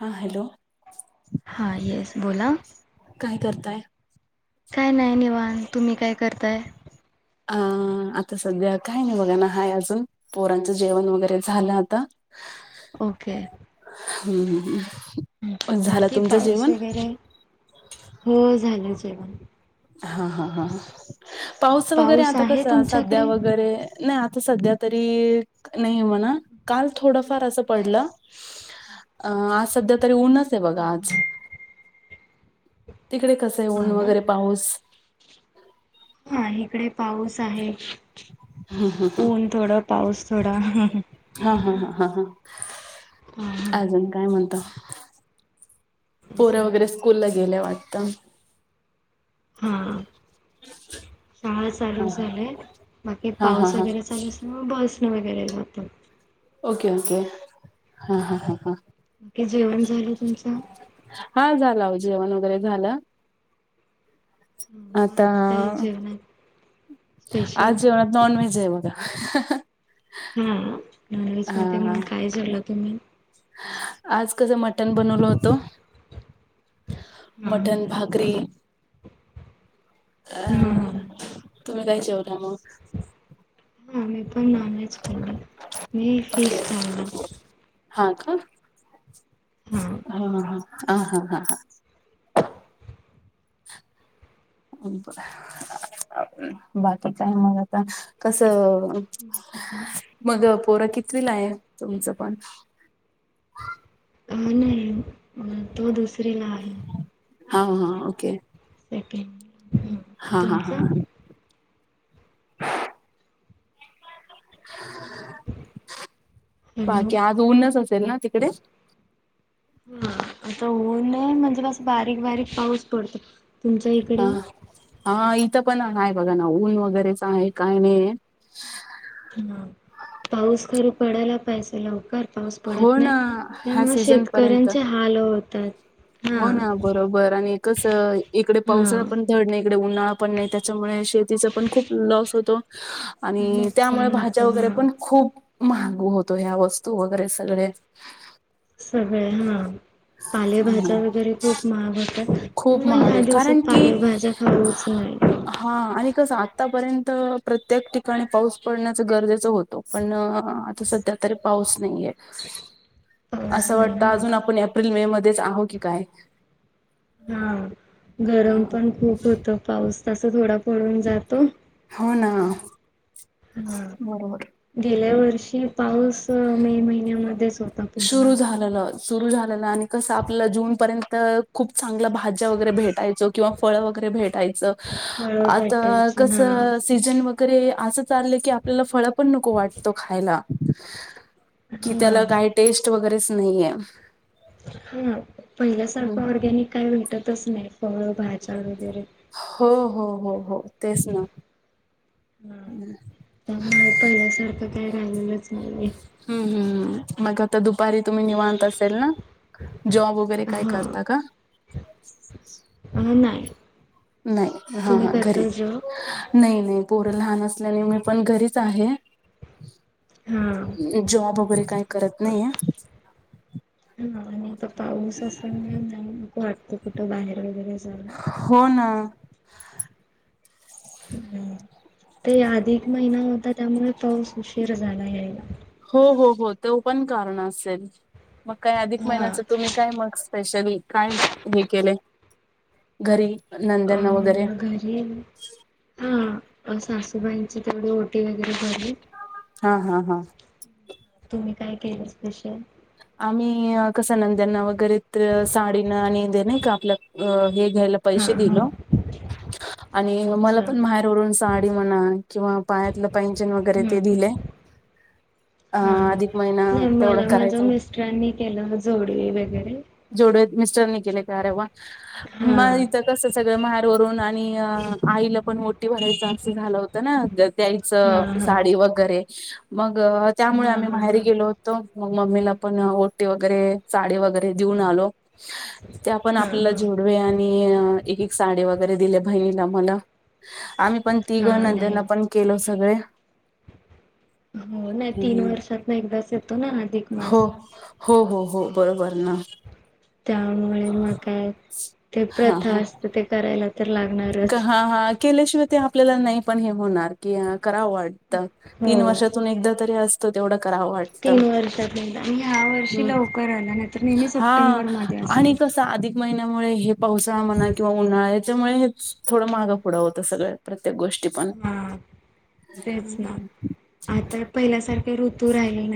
हा हॅलो हा येस बोला. काय करताय. काय नाही निवांत. तुम्ही काय करताय? अ आता सध्या काय नाही. बघा ना हाय अजून पोरांचं जेवण वगैरे झालं आता- ओके. ह्. बाकी पाऊस वगैरे? हो झालं जेवण. हा हा ह पाऊस वगैरे आता आहे कसं? सध्या तुमच्याकडे वगैरे, नाही आता सध्या- तरी नाही म्हणा. काल थोडफार अस पडला - अं -आज सध्या तरी ऊनच आहे बघा आज. तिकडे कसं? ऊन हा ना वगैरे पाऊस- हा इकडे पाऊस आहे. ऊन थोडं पाऊस थोडा. हा हा हा हा हा हा अजून काय म्हणता? पोर वगैरे स्कूल ला गेल्या वाटत? त हा शाळा हा चालू हा झालय बाकी हा हा पाऊस हा वगैरे चालू अस मग बस.. वगैरे जातात.. ओके ओके हा ह ह ह... तुमचं जेवण झालं तुमचं हा झाला हो जेवण वगैरे झालं. मग आता आज काय जेवणात स्पेशल आज जेवणा नॉन व्हेज.... जेव मग.... हा नॉन व्हेज मध्ये मग काय जेवला तुम्ही.... आज कसं मटण बनवल होतं... मटन हा भाकरी.... हा अह हा तुम्ही काही जेवला मग... हा मी पण नॉन व्हेज खाल्ला मी फिश ओके खाल्ला... हा का हा हा.... हा हा हा हा.... बाकी काय मग आता कस.. मग... पोरा कितवीला आहे. तुमचं पण.. अ नाही तो दुसरीला आहे.. हा हा ओके.. त्या हा हा हा ह.. ह.. हॅलो बाकी आज ऊनच असेल ना तिकडे.. हा आता होऊन म्हणजे बस बारीक बारीक पाऊस पडतो तुमच्या हा इकडे हा.. तर पण नाही बघा ना ऊन वगैरेच आहे काय नाही. हा पाऊस खरी पडायला पहिजे लवकर.. पाऊस हो पडत नाही. ना ह्या त्यामुळे सीझन पर्यंत शेतकऱ्यांचे हाल होतात. हा हो ना बरोबर आणि कस इकडे हा पावसाला पण धड नाही इकडे उन्हाळा पण नाही त्याच्यामुळे.. शेतीचा पण खूप लॉस होतो. आणि त्यामुळे नुकसान भाज्या होतं वगैरे हा पण खूप... महाग होतो ह्या वस्तू वगैरे सगळे.. सगळे हा पालेभाज्या हम्म. वगैरे खूप महाग होतात. खूप मग महाग ह्या आहे कारण दिवसात पाले की भाज्या खाऊच नाही. हा आणि आतापर्यंत प्रत्येक ठिकाणी पाऊस पडण्याच गरजेचं होतं पण आता स... तरी पाऊस नाहीये.. पाऊस असं नाही वाटतं हा अजून आपण एप्रिल मे मध्येच आहो की काय? हा हा. गरम पण खूप होत. पाऊस तस थोडा पडून जातो. होणा हा गेल्या वर्षी.. पाऊस मे महिन्यामध्येच होता पूर्ण.. सुरू झालेलं सुरू झालेलं आणि कसं आपल्याला जूनपर्यंत खूप चांगलं भाज्या वगैरे भेटायचो किंवा फळ वगैरे. भेटायच फळं आ भेटायची कस हा सीजन वगैरे अस चाललं की आपल्याला फळ पण नको वाटतो खायला.. कि हा त्याला काही टेस्ट वगैरेच नाहीये. हा पहिल्यासारखं ऑरगॅनिक काय भेटतच नाही फळ भाज्या वगैरे.. हो हो हो हो तेच ना... हा त्यामुळे पहिल्यासारखं काय झालेलंच नाही. हम्म मग आता दुपारी तुम्ही निवांत असेल ना जॉब वगैरे काय हा. करता का [inaudible] अ नाही नाही हा तुम्ही करता घरीच जॉब नाही नाही पोरं लहान असल्याने मी पण घरीच आहे हा जॉब वगैरे काही करत बर नाही या हा आणि आता पाऊस असल्यामुळे जाक वाटतं कुठं बाहेर वगैरे जायला हो ना हम् ते अधिक महिना होता त्यामुळे पाऊस उशीर झाला आहे हो हो हो ते पण कारण असेल मग काही अधिक हा. महिन्याच तुम्ही काय मग स्पेशली काय हे केले घरी अ नंद्यांना वगैरे घरी आहे हा व सासूबाईंची तेथवढ ओटी वगैरे भरली हा हा हा तुम्ही काय केलं स्पेश, आम्ही कस नंद्यांना वगैरे साडीनं आणि नाही का आपल्या हे घ्यायला हा पैसे दिल हा आणि मला अच्छा पण बाहेर रून साडी म्हणा किंवा पायालं पेंशन वगैरे हम्म ते हम्म दिले अ हा अधिक महिना तेवढा करायचं ्रांनी केलं जोडवे वगैरे जोडत मिस्टर केले का अरेवा म हा इथ कस व महार वरून आणि आईला पण मोठी भरायचास झाला होत ना हा द्यायचं हा साडी वगैरे मग त्यामुळे हा आम्ही हा बाहेर हा गेलो होतो. मग मम्मीला पण ओटी वगैरे साडी वगैरे देऊन आलो. ते आपण हा आपल्याला हा जोडवे आणि एक, एक साडी वगैरे दिले बहिणीला, मला - आम्ही पण हा तिघं नंदला नाही त्यांना पण केलो सगळे. हो नाही तीन वर्षात ना एकदाच येतो ना अधिक हो. मास - हो हो हो बरोबर ना! त्यामुळे मग काय ते प्रथा असते ते करायला लागत हा हा केल्याशिवाय ते आपल्याला नाही पण हे होणार की, करा वाटत हो तीन वर्षातून एकदा तरी अस - तेवढं करावं वाटत तीन वर्षात एकदा आणि ह्या वर्षी हं लवकर आला नाही तर नेहमी हा सप्टेंबरमध्ये आणि असतो कसा अधिक महिना - मुळे हे पावसाळा म्हणा किंवा उन्हाळ्याच्यामुळे हे थोडा माघपुुढ होत सगळ्या प्रत्ये हा हं. तेच ना आता पहिल्यासारखे ऋतू राहीले.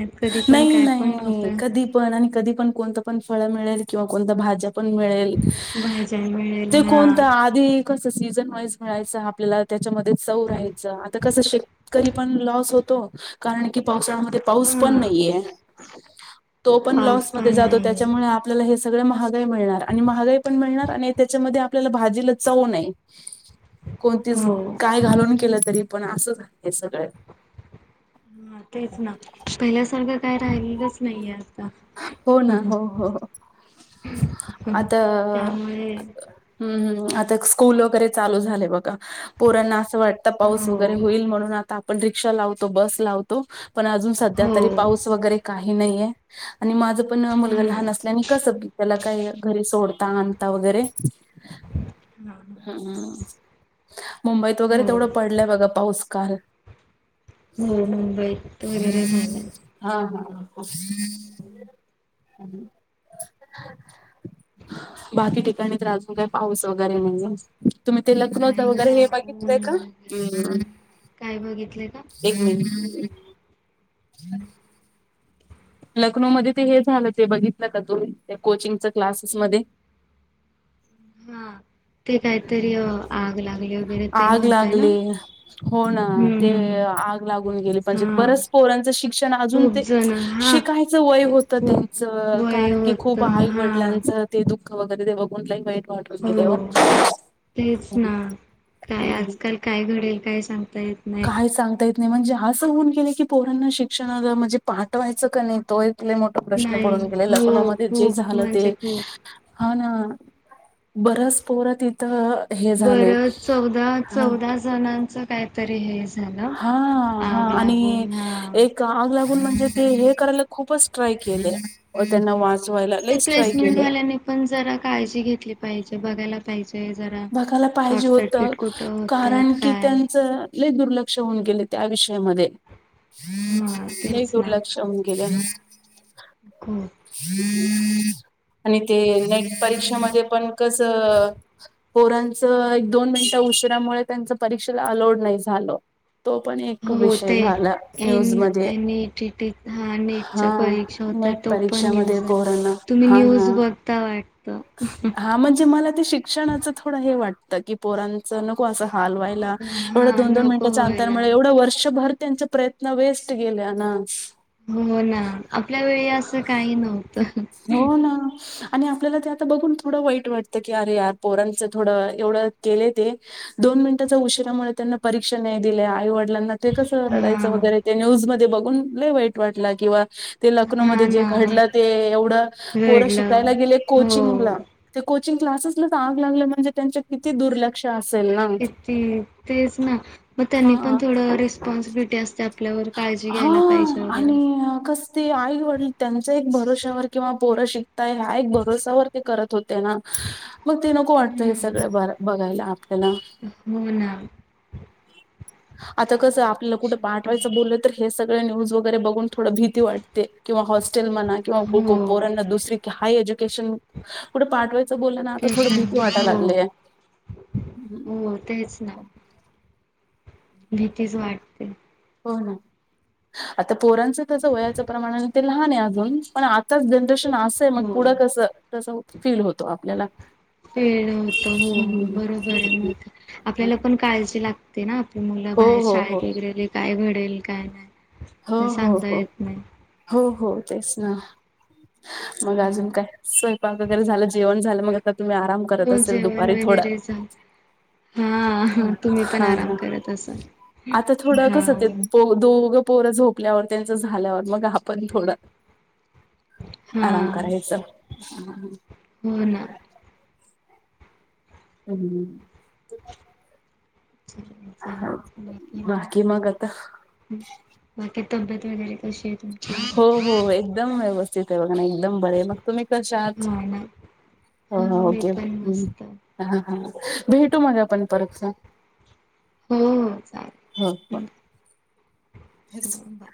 नाही नाही कधी पण आणि कधी पण कोणत पण पण फळ मिळेल किंवा कोणत भाज्या पण मिळेल,. भाज्या मिळेल ते हा कोणत आधी कस सीझन वाईज मिळायच आपल्याला त्या चव कस शेतकरी पण लॉस होतो कारण की पावसाळ्यामध्ये पाऊस पण हा नाहीये तो पण पाऊस लाॅसनमध्ये पण जातो नाही त्याच्यामुळे सगळ महागाई मिळणार आणि महागाई पण मिळणार आणि त्याच्यामध्ये आपल्याला भाजीला चव नाही. कोणतीच हो काय घालून केलं तरी पण असं झा? हा तेच ना पहिल्यासारखं काय राहिलेलंच नाही. हो ना हो हो. आता त्यामुळे हं हं! आता स्कूल वगैरे चालू झाले बघा पोरांना असं वाटत, पाऊस हो वगैरे होईल म्हणून आता. पण रिक्षा लावतो, बस लावतो, पण अजून सध्या हो तरी पाऊस वगैरे काही नाहीय. आणि माझं पण हा मुलगा ना लहान असल्याने कसं त्याला काय घरी सोडता, आणता, वगैरे हा - हं मुंबईत वगैरे हो तेवढं पडलंय बघा पाऊस. काल - हो मुंबईत वगैरे झाला आ. हं हा! [unintelligible] बाकी ठिकाणी आजून काय पाऊस वगैरे नाही. तुम्ही ते लखनौ नाही वगैरे हे हा बघितलंय ऊन का? वगैरे काय बघितले का? एक मिनीट हा. लखनौमध्ये ते हे झालं ते बघितलं का? तुम्ही कोचिंगच्या क्लासेसमध्ये? हा ते काही तरी आग लागल. आग लागली हो ना हम्म ते हम्म हम्म आग लागून गेली म्हणजे हा बरच. पोरांच शिक्षण अजुन खूप ते जण हा शिकायच वय होत त्यांच खूप वय कारण की होत खूप हा वडिलांच ते दुःख वगैरे ते बघून वाईट वाटून गेले हो. तेच ना काय हम्म आजकाल काय घडेल काय सांगता. येत नाही. काय सांगताय येत म्हणजे असं होऊन गेले की पोरांना शिक्षणाला म्हणजे पाठवायचं का नाहीे तो एक लय मोठ प्रश्न नाही पडून गेले हो लखनैमध्ये जे खूप झालं ते म्हणजे खूप. हा ना. बरेच पोर तिथ इथं बरं चौदा, चौदा जणांचं काय? हा हा आणि लागून हा एक हम्म. आग लागून म्हणजे ते एक करायला खूपच ट्राय केलय. हं ते प्लेसमेंट वाल्यांनी पण जरा काळजी घेतली पाहिजे बघायला पाहिजे. जरा. बघायला शॉर्ट पाहिजे होत सर्किट कुठं कारण होतात की काय त्यांच लय दुर्लक्ष होऊन गेले त्या विषयामध्ये हा लय दुर्लक्ष होऊन गेले. हं! [unintelligible] का [unintelligible] आणि ते नेट म्हणजे परीक्षे ते मध्ये पण कस पोरांच एक दोन मिनिटं उशिरामुळे त्यांच परीक्षेला अलोड नाही झालं. तो पण एक हो विषय ते झाला एन न्यूज मध्ये एन ई टी टी नेटच्या हा. परीक्षा होता तो पण परीक्षा न्यूज मध्ये झाला. पोरांना तुम्ही हा ना न्यूज बघता वाटतं. हा म्हणजे मला ते शिक शिक्षणाच थोडं हे वाटतं की पोरांचं नको असं. हालवायला एवढा हा दोन दोन नको मिनिटाच्या अंतरा व्हायला. मुळे एवढं वर्षभर त्यांचे प्रयत्न वेस्ट गेले ना. हो ना आपल्या वेळी असं काही नव्हतं. हो ना. आणि आपल्याला ते आता बघून थोडं वाईट वाटतं की अरे यार पोरांचं थोडं एवढं केले ते. दोन मिनिटांच्या उशिरामुळे त्यांना परीक्षा नाही दिल्या आई वडील ते कसं रडायचं हा वगैरे ते न्यूज मध्ये बघून वाईट वाटला किंवा ते लखनौ म हा जे ना घडलं ते एवढं पोरं रडलं शिकायला गेले हो. कोचिंगला. कोचिंग क्लासेसलाच आग लागलं म्हणजे त्यांच्या किती दुर्लक्ष आहे. किती तेच ना मग त्यांनी पण थोड रिस्पॉन्सिबिलिटी असते. आपल्यावर काळजी घ्यायला पाहिजे हा वगैरे. आणि कस ते आई वडील त्यांचा एक भरोश्यावर किंवा पोर शिकता हा एक भरोसावर ते करत होते. त्यांना मग ते नको वाटत हे सगळं हम्म ब बघायला आपल्याला. हो ना. आता कसं आपल्याला कुठे पा शेवटी बोल तर हे सगळ न्यूज वगैरे बघून थोड भीती वाटते. किंवा हॉस्टेल म्हणा किंवा हो. पोरांना दुसरी हाय एज्युकेशन कुठे पाठवायचं बोलना. तर तेच थोड भीती आहे. वाटाला हो लागलेय. हो तेच ना. भीती च वाटते. हो ना आता पोरांच त्याच वयाच्या प्रमाणाने ते लहान आहे अजून पण आ आताच जनरेशन असय मग हो. पुढं कस कसं फील होतो आपल्याला. फिल होत हो हम्म. बरोबर आहे मग आपल्याला पण काळजी लागते ना आपल्या मुला. हो बाहेर हो हो शाळेत वगेरे काय घडेल काय. हो ते हो सांगता हो, येत नाही. हो हो तेच ना. मग अजून हम्म. काय स्वयंपाक वगैरे झालं जेवण झालं मग आता तुम्ही आराम करत हो असेल जेवण दुपारी थोडा वगैरे झा हा हा तुम्ही पण हा आराम हा करत असाल. आता थोडं हा कसं ते दोघं पोरं झोपल्यावर त्यांच झाल्यावर. मग आपण थोडं, हा आराम करायच. हो ना. हम्म. बाकी बाकी मग आता बाकी तब्येत वगैरे कशी हाय? हो हो एकदम व्यवस्थित आहे बघा ना एकदम बर मग तुम्ही कशा आहात? हो ना हो हो मी ओके, पण हम्म, मस्त. हा हा भेटू मग आपण. परतच. हो हो ह. चालेल. हं, हो, बाय.